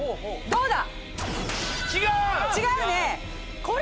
どうだ